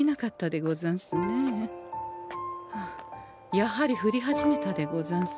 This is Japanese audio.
やはり降り始めたでござんす。